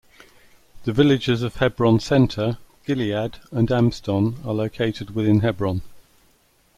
The villages of Hebron Center, Gilead and Amston are located within Hebron.